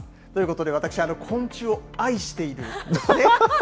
ということで、私、昆虫を愛しているんですね。